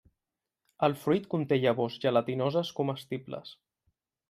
El fruit conté llavors gelatinoses comestibles.